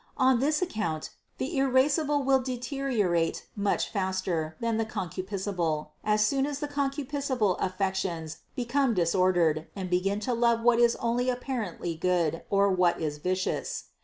On this account the irascible will de teriorate much faster than the concupiscible as soon as the concupiscible affections become disordered and begin to love what is only apparently good or what is vicious.